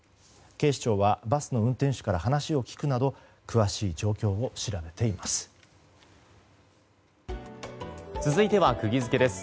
警視庁はバスの運転手から話を聞くなど詳しい状況を調べています。